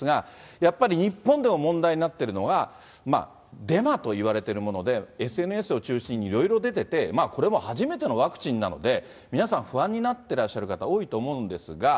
やっぱり日本でも問題になってるのは、デマといわれているもので、ＳＮＳを中心にいろいろ出てて、これも初めてのワクチンなので、皆さん、不安になってらっしゃる方、多いと思うんですが。